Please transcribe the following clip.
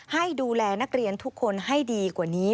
ให้ดูแลนักเรียนทุกคนให้ดีกว่านี้